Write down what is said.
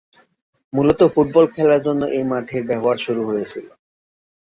মুলত ফুটবল খেলার জন্য এই মাঠের ব্যবহার শুরু হয়েছিল।